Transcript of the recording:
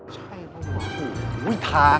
ใช่หรือเปล่า